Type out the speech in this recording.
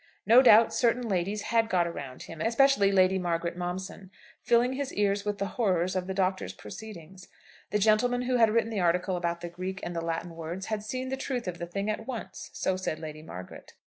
No doubt certain ladies had got around him, especially Lady Margaret Momson, filling his ears with the horrors of the Doctor's proceedings. The gentleman who had written the article about the Greek and the Latin words had seen the truth of the thing at once, so said Lady Margaret.